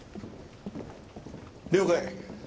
了解。